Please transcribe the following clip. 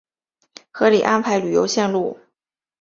合理安排旅游线路